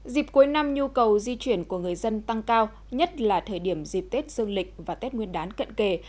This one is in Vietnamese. dịp cuối năm nhu cầu di chuyển của người dân tăng cao nhất là thời điểm dịp tết dương lịch và tết nguyên đán cận kề